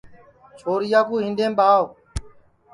چھوریا کُُو ہینٚڈؔیم ٻاو